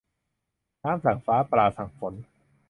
น้ำสั่งฟ้า ปลาสั่งฝน